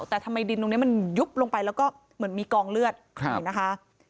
แต่ทำไมดินตรงนี้มันยุบลงไปแล้วก็เหมือนมีกองเลือดนี่นะคะ